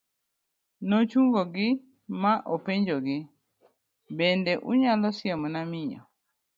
nochungo gi ma openjogi, bende unyalo siemona miyo